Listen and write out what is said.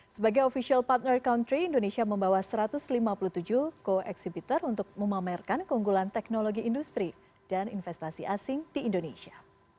sebagai official partner country indonesia membawa satu ratus lima puluh tujuh co exhibitor untuk memamerkan keunggulan teknologi industri dan investasi asing di indonesia